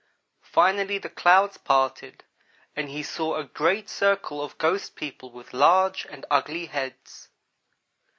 Finally the clouds parted and he saw a great circle of ghost people with large and ugly heads.